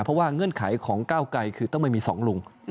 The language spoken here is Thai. เพราะว่าเงื่อนไขของก้าวไกรคือต้องไม่มี๒ลุง